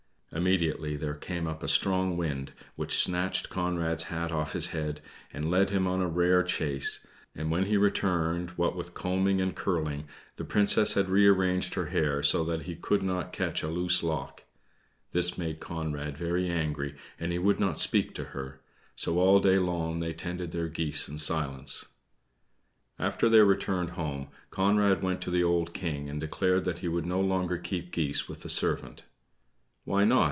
Immediately there came a strong wind, which snatched Conrad's hat off his head, and led him a rare chase; and when he returned what with combing and curling, the Princess had rearranged her hair, so that he could not catch a loose lock. This made Conrad very angry, and he would not speak to her; so all day long they tended their geese in silence. After they returned home Conrad went to the old King and declared he would no longer keep geese with the servant. "Why not?"